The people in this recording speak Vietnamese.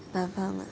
dạ vâng ạ